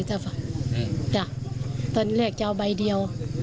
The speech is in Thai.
ตอนนี้แหลกจะเอาใบเดียว